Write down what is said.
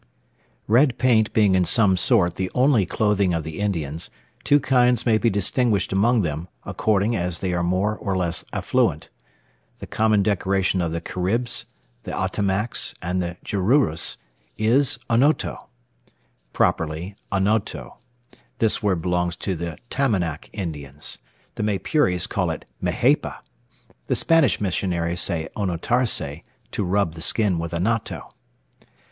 Red paint being in some sort the only clothing of the Indians, two kinds may be distinguished among them, according as they are more or less affluent. The common decoration of the Caribs, the Ottomacs, and the Jaruros, is onoto,* (* Properly anoto. This word belongs to the Tamanac Indians. The Maypures call it majepa. The Spanish missionaries say onotarse, to rub the skin with anato.)